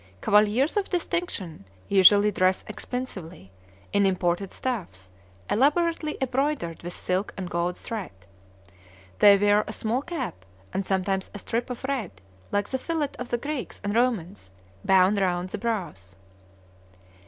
Cavaliers of distinction usually dress expensively, in imported stuffs, elaborately embroidered with silk and gold thread. They wear a small cap, and sometimes a strip of red, like the fillet of the Greeks and Romans, bound round the brows.